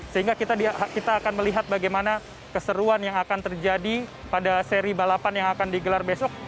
sehingga kita akan melihat bagaimana keseruan yang akan terjadi pada seri balapan yang akan digelar besok